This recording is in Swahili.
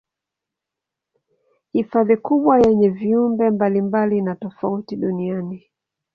Hifadhi kubwa yenye viumbe mbalimbali na tofauti duniani